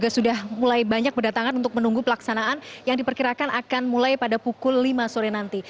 sudah mulai banyak berdatangan untuk menunggu pelaksanaan yang diperkirakan akan mulai pada pukul lima sore nanti